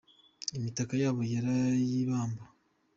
Imitaka yabo barayibamba